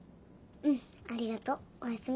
うんありがとうおやすみ。